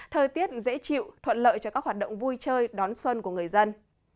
thời tiết dễ chịu thuận lợi cho các hoạt động vui chơi đón xuân của người dân